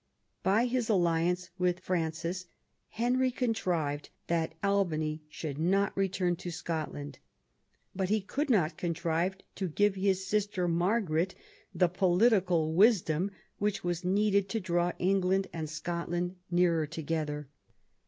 By his alliance with Francis Henry contrived that Albany should not return to Scotland ; but he could not contrive to give his sister Margaret the political wisdom which was needed to draw England and Scotland nearer together.